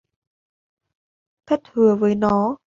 Thất hứa với nó